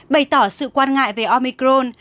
bày tỏ sự quan ngại về omicron